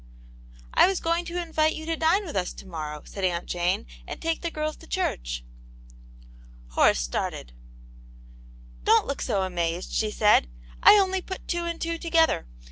"I was going to invite you to dine with us to inorrow,'' said Aunt Jane, "and take the girls to church, " Atint Janets Hero: 59 Horace started, " Don*t look so amazed," she said, " I only put two and two together.